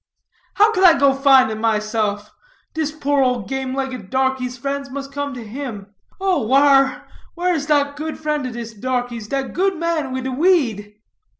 "How can I go find 'em myself? Dis poor ole game legged darkie's friends must come to him. Oh, whar, whar is dat good friend of dis darkie's, dat good man wid de weed?"